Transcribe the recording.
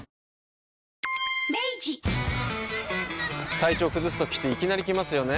体調崩すときっていきなり来ますよね。